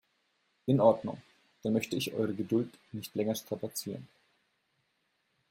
In Ordnung, dann möchte ich eure Geduld nicht länger strapazieren.